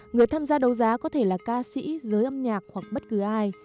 người tham gia đấu giá có thể là ca sĩ giới âm nhạc hoặc bất cứ ai